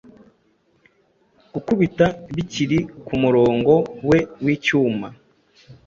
Gukubita bikiri ku murongo we w'icyuma